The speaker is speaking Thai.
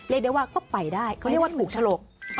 เรียกได้ว่าก็ไปได้เขาเรียกว่าถูกฉลก